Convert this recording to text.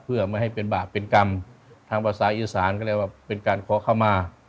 เพื่อไม่ให้เป็นบาปเป็นกรรมทางภาษาอีสานก็เรียกว่าเป็นการขอเข้ามา